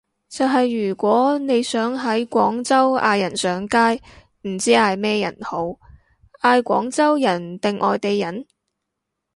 就係如果你想喺廣州嗌人上街，唔知嗌咩人好，嗌廣州人定外地人？